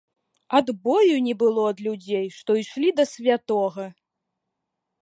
Адбою не было ад людзей, што ішлі да святога.